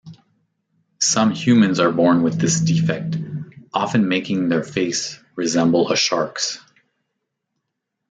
Some humans are born with this defect, often making their face resemble a shark's.